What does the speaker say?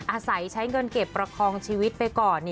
อาศัยใช้เงินเก็บประคองชีวิตไปก่อน